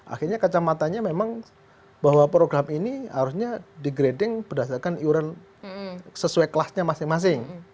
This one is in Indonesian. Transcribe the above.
akhirnya kacamatanya memang bahwa program ini harusnya di grading berdasarkan iuran sesuai kelasnya masing masing